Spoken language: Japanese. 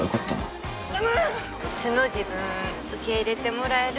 素の自分受け入れてもらえるって自信ある？